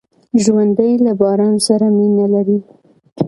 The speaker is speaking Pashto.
ژوندي له باران سره مینه لري